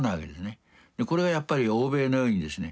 これはやっぱり欧米のようにですね